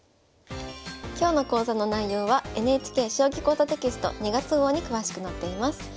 今日の講座の内容はＮＨＫ「将棋講座」テキスト２月号に詳しく載っています。